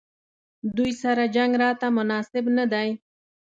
دوی سره جنګ راته مناسب نه دی.